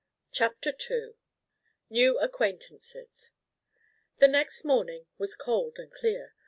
CHAPTER II NEW ACQUAINTANCES The next morning was cold and clear.